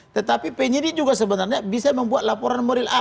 tetapi penyidik juga sebenarnya bisa membuat laporan model a